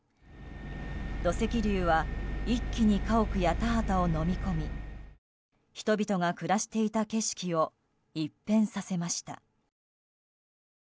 土石流は一気に家屋や田畑をのみ込み人々が暮らしていた景色を一変させました。